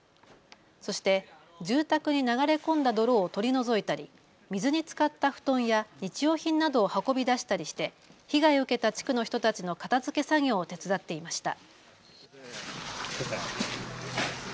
そして住宅に流れこんだ泥を取り除いたり水につかった布団や日用品などを運び出したりして被害を受けた地区の人たちの片づけ作業を手伝っていました。